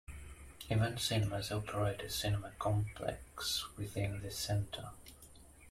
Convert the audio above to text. Event Cinemas operate a cinema complex within the centre.